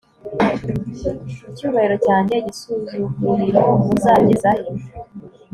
icyubahiro cyanjye igisuzuguriro Muzageza he